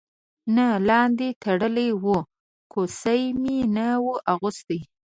نه لاندې تړلی و، کوسۍ مې نه وه اغوستې.